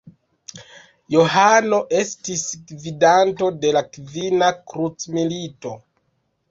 Johano estis gvidanto de la Kvina Krucmilito.